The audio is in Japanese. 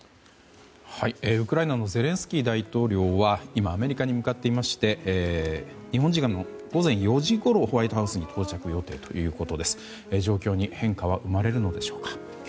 ウクライナのゼレンスキー大統領は今、アメリカに向かっていまして日本時間の午前４時ごろホワイトハウスにいよいよ厳しい冬本番。